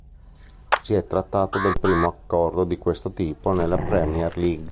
Si è trattato del primo accordo di questo tipo nella Premier League.